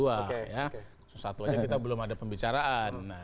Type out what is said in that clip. itu satu aja kita belum ada pembicaraan